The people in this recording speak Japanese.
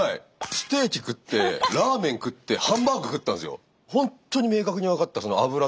ステーキ食ってラーメン食ってハンバーグ食ったんですよ？